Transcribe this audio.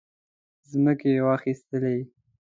مځکې واخیستلې.